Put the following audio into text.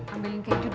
ambilin keju dua